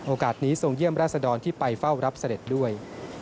โอกาสนี้ทรงเยี่ยมราชดรที่ไปเฝ้ารับเสด็จด้วย